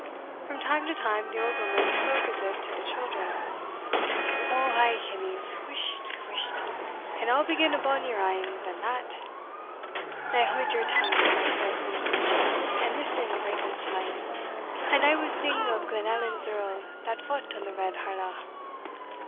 From time to time the old woman spoke as if to the children "Oh ay, hinnies, whisht! whisht! and I'll begin a bonnier ane than that "Now haud your tongue, baith wife and carle, And listen, great and sma', And I will sing of Glenallan's Earl That fought on the red Harlaw.